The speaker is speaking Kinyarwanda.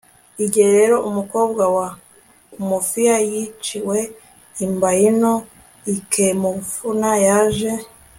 igihe rero umukobwa wa umuofia yiciwe i mbaino, ikemefuna yaje